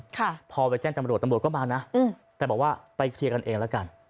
ค่ะพอไปแจ้งตำรวจตำรวจก็มานะอืมแต่บอกว่าไปเคลียร์กันเองแล้วกัน